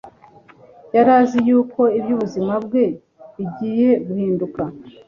yari azi yuko iby'ubuzima bwe bigiye guhinduka.